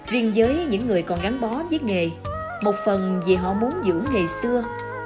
riêng với những người còn gắn bó với nghề một phần vì họ muốn giữ nghề xưa